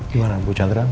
gimana bu chandra